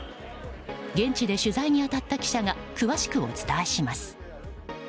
現地で取材に当たった記者が詳しくお伝えします。